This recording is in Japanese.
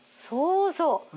そうそう。